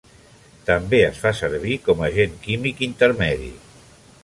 També es fa servir com agent químic intermedi.